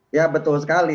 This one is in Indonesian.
iya betul sekali